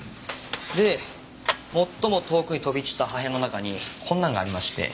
で最も遠くに飛び散った破片の中にこんなのがありまして。